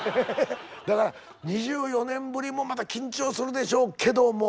だから２４年ぶりもまた緊張するでしょうけども。